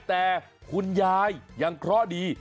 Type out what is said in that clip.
แต่คุณยายยังเคราะห์ดี